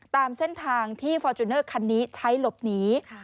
ตามเส้นทางที่ฟอร์จูเนอร์คันนี้ใช้หลบหนี